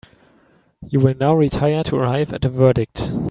You will now retire to arrive at a verdict.